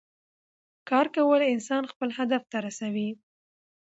کار کول انسان خپل هدف ته رسوي